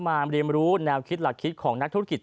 มาเรียนรู้แนวคิดหลักคิดของนักธุรกิจ